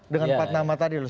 dengan empat nama tadi loh